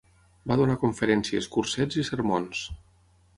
Va donar conferències, cursets, i sermons.